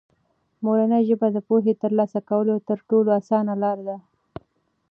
مورنۍ ژبه د پوهې د ترلاسه کولو تر ټولو اسانه لاره ده.